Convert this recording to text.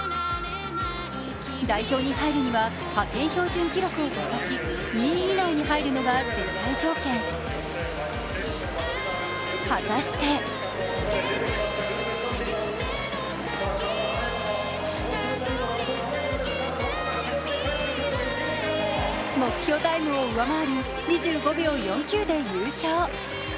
代表に入るには派遣標準記録を突破し２位以内に入るのが絶対条件果たして目標タイムを上回る２５秒４９で優勝。